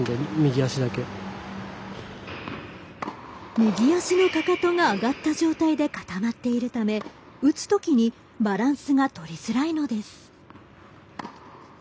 右足のかかとが上がった状態で固まっているため打つときにバランスがとりづらいのです。